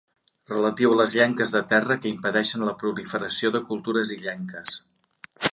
Relatiu a les llenques de terra que impedeixen la proliferació de cultures illenques.